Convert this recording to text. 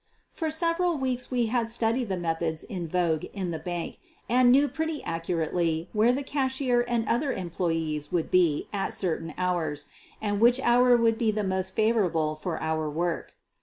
For several weeks we had studied the methods in vogue in the bank and knew pretty accurately where the cashier and other employees would be at certain hours, and which hour would be the most favorable for our work.